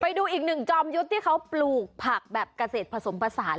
ไปดูอีกหนึ่งจอมยุทธ์ที่เขาปลูกผักแบบเกษตรผสมผสาน